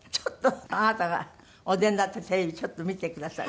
あなたがお出になったテレビちょっと見てくださる？